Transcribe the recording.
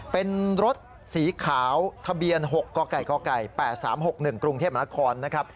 เป็นรถสีขาวทะเบียน๖กก๘๓๖๑กรุงเทพมค